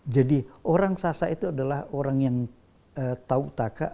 jadi orang sasak itu adalah orang yang tahu takak